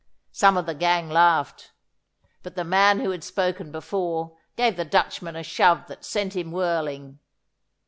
Some of the gang laughed, but the man who had spoken before gave the Dutchman a shove that sent him whirling.